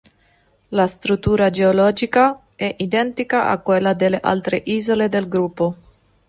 La struttura geologica è identica a quella delle altre isole del gruppo.